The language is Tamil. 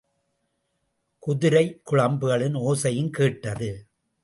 குதிரைக் குளம்புகளின் ஓசையும் கேட்டது.